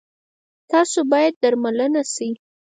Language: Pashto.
تاسو باید درملنه شی